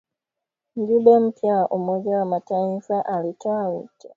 Mjumbe mpya wa Umoja wa mataifa alitoa wito